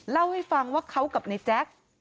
เล่าให้ฟังว่าเขากับในแจ๊ค